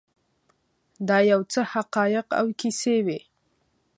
دا یو څه حقایق او کیسې وې.